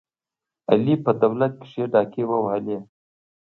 علي په دولت کې ښې ډاکې ووهلې.